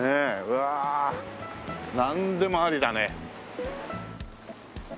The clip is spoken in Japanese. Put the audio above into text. うわなんでもありだね。